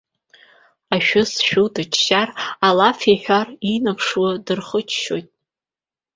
Ашәы зшәу дыччар, алаф иҳәар, инаԥшуа дихыччоит.